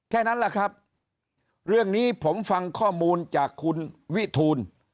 แค่นั้นแหละครับเรื่องนี้ผมฟังข้อมูลจากคุณวิทูล